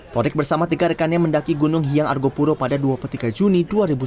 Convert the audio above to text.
torik bersama tiga rekannya mendaki gunung hiang argopuro pada dua puluh tiga juni dua ribu sembilan belas